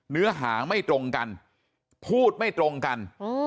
เนื้อหาไม่ตรงกันพูดไม่ตรงกัน